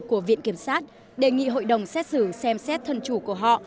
của viện kiểm sát đề nghị hội đồng xét xử xem xét thân chủ của họ